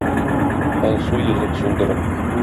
Алсу йөзен сулдырып,